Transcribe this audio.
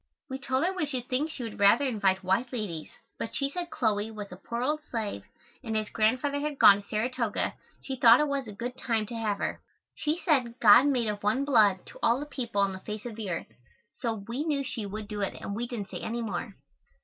We told her we should think she would rather invite white ladies, but she said Chloe was a poor old slave and as Grandfather had gone to Saratoga she thought it was a good time to have her. She said God made of one blood all the people on the face of the earth, so we knew she would do it and we didn't say any more.